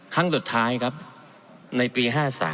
ครั้งสุดท้ายครับในปี๕๓